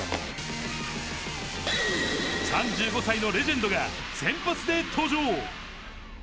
３５歳のレジェンドが先発で登場。